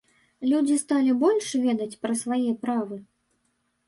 Людзі сталі больш ведаць пра свае правы?